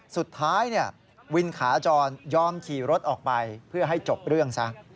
สุดท้ายวินขาจรยอมขี่รถออกไปเพื่อให้จบเรื่องซะ